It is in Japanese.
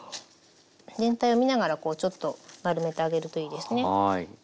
全体を見ながらこうちょっと丸めてあげるといいですね。